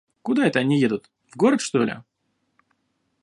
Куда это они едут, в город, что ли?